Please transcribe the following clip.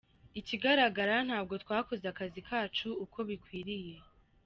Ikigaragara ntabwo twakoze akazi kacu uko bikwiriye.